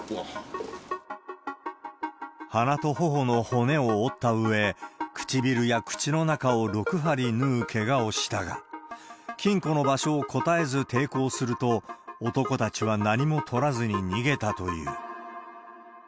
鼻と頬の骨を折ったうえ、唇や口の中を６針縫うけがをしたが、金庫の場所を答えず抵抗すると、男たちは何も取らずに逃げたという。